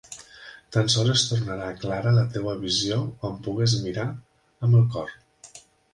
Tan sols es tornarà clara la teua visió quan pugues mirar amb el cor.